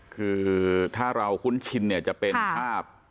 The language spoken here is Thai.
คือถ้าเราคุ้นชินเนี่ยจะเป็นภาพ